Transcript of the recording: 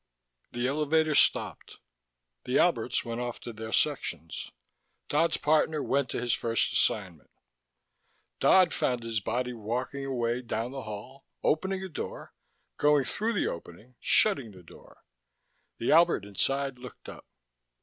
The elevator stopped, the Alberts went off to their sections, Dodd's partner went to his first assignment, Dodd found his body walking away down the hall, opening a door, going through the opening, shutting the door. The Albert inside looked up.